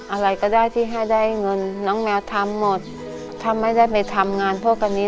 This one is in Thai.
อะไรก็ได้ที่ให้ได้เงินน้องแมวทำหมดถ้าไม่ได้ไปทำงานพวกอันนี้